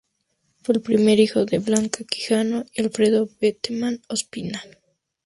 Fue el primer hijo de Blanca Quijano y Alfredo Bateman Ospina.